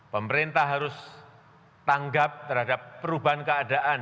pemerintah harus tanggap terhadap perubahan keadaan